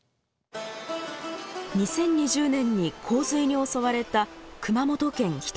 ２０２０年に洪水に襲われた熊本県人吉市。